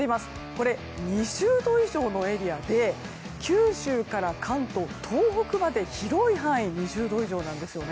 これは２０度以上のエリアで九州から関東、東北まで広い範囲で２０度以上なんです。